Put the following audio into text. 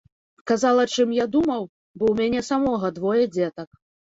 Казала, чым я думаў, бо ў мяне самога двое дзетак.